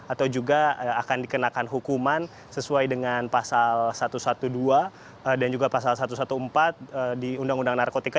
atau juga akan dikenakan hukuman sesuai dengan pasal satu ratus dua belas dan juga pasal satu ratus empat belas di undang undang narkotika